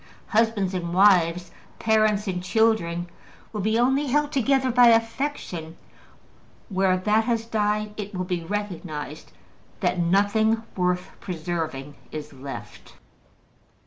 Husbands and wives, parents and children, will be only held together by affection: where that has died, it will be recognized that nothing worth preserving is left.